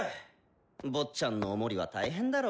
坊ちゃんのお守りは大変だろ。